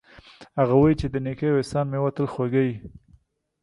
هغه وایي چې د نیکۍ او احسان میوه تل خوږه وي